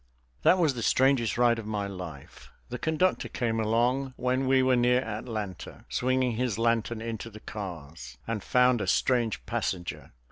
That was the strangest ride of my life. The conductor came along when we were near Atlanta, swinging his lantern into the cars, and found a strange passenger.